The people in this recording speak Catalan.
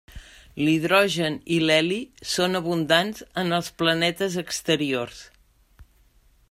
L'hidrogen i l'heli són abundants en els planetes exteriors.